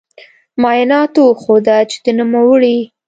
معایناتو وښوده چې د نوموړې